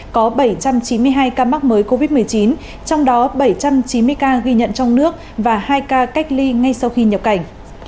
có bảy trăm chín mươi hai ca mắc mới covid một mươi chín trong đó bảy trăm chín mươi ca ghi nhận trong nước và hai ca cách ly ngay sau khi nhập cảnh